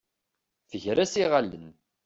Tger-as iɣallen.